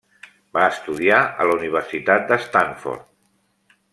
Va estudiar a la Universitat de Stanford.